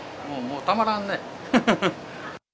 もう、もう、たまらんね。